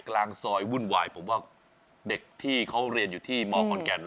กลางซอยวุ่นวายผมว่าเด็กที่เขาเรียนอยู่ที่มขอนแก่น